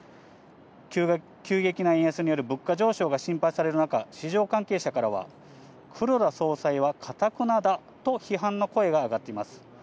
急激な円安による物価上昇が心配される中、市場関係者からは、黒田総裁はかたくなだと批判の声が上がっています。